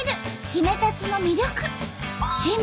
ヒメタツの魅力。